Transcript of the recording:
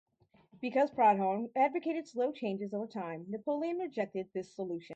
Because Proudhon advocated slow changes over time, Napoleon rejected this solution.